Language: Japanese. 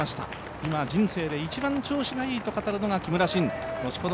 今人生で一番調子がいいと語るのが木村慎、後ほど